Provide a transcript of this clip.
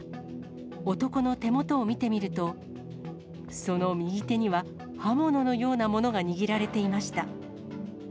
男の手元を見てみると、その右手には、刃物のようなものが握られていました。